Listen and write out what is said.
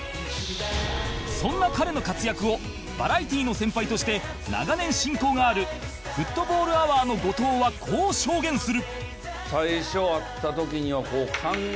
そんな彼の活躍をバラエティの先輩として長年親交があるフットボールアワーの後藤はこう証言する